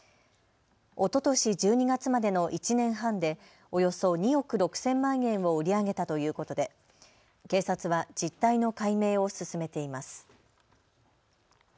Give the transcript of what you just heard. おととし１２月までの１年半でおよそ２億６０００万円を売り上げたということで警察は実態の解明を進めています。